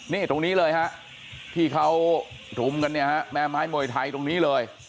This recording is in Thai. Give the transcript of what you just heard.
นี่ตรงนี้เลยฮะที่เขารุมกันเนี่ยฮะแม่ไม้มวยไทยตรงนี้เลย